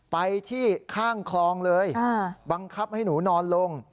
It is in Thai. ไปที่ข้างคลองเลยบังคับให้หนูนอนลง